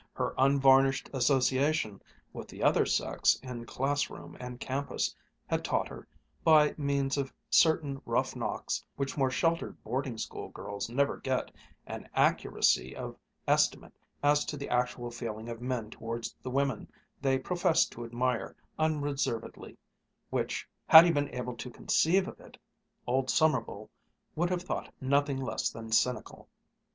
Her unvarnished association with the other sex in classroom and campus had taught her, by means of certain rough knocks which more sheltered boarding school girls never get, an accuracy of estimate as to the actual feeling of men towards the women they profess to admire unreservedly which (had he been able to conceive of it) old Mr. Sommerville would have thought nothing less than cynical.